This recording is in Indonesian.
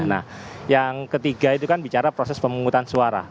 nah yang ketiga itu kan bicara proses pemungutan suara